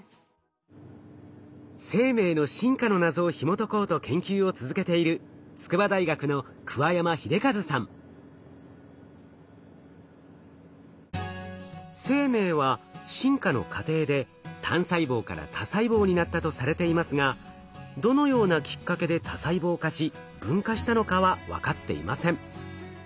生命の進化の謎をひもとこうと研究を続けている筑波大学の生命は進化の過程で単細胞から多細胞になったとされていますがどのようなきっかけで多細胞化し分化したのかは分かっていません。